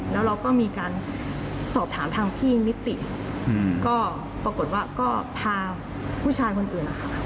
แล้วเราก็มีการสอบถามทางพี่นิติก็ปรากฏว่าก็พาผู้ชายคนอื่นนะคะ